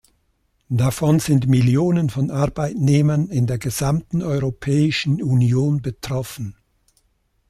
Davon sind Millionen von Arbeitnehmern in der gesamten Europäischen Union betroffen.